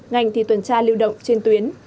ngành thì tuần tra lưu động trên tuyến